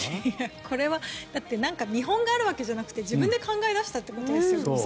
これはなんか見本があるわけじゃなくて自分で考え出したということですよね。